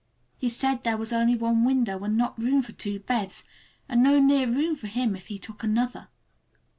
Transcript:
He said there was only one window and not room for two beds, and no near room for him if he took another.